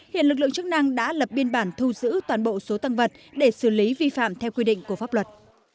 hiện lực lượng chức năng đã lập biên bản thu giữ toàn bộ số tăng vật để xử lý vi phạm theo quy định của pháp luật